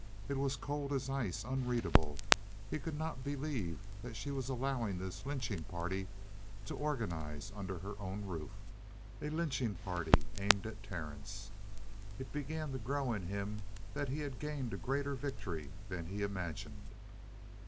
It was cold as ice, unreadable. He could not believe that she was allowing this lynching party to organize under her own roof a lynching party aimed at Terence. It began to grow in him that he had gained a greater victory than he imagined.